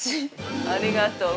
◆ありがとう。